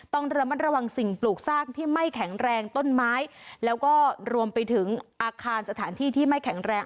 ต้องระมัดระวังสิ่งปลูกสร้างที่ไม่แข็งแรงต้นไม้แล้วก็รวมไปถึงอาคารสถานที่ที่ไม่แข็งแรง